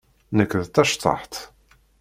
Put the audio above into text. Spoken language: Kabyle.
Nekk d taceṭṭaḥt.